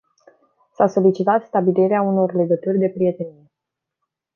S-a solicitat stabilirea unor legături de prietenie.